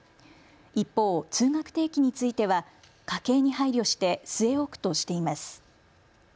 一方、通学定期については家計に配慮して据え置くとしています。